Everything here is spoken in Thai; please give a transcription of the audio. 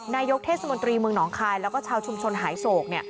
นายกเทศมนตรีเมืองหนองคายแล้วก็ชาวชุมชนหายโศก